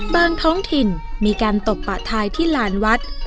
ท้องถิ่นมีการตบปะทายที่ลานวัด